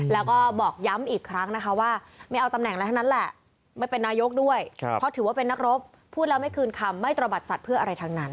แล้วก็บอกย้ำอีกครั้งนะคะว่าไม่เอาตำแหนอะไรทั้งนั้นแหละไม่เป็นนายกด้วยเพราะถือว่าเป็นนักรบพูดแล้วไม่คืนคำไม่ตระบัดสัตว์เพื่ออะไรทั้งนั้น